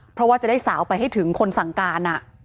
เพราะว่าจะได้สาวไปให้ถึงคนสั่งการ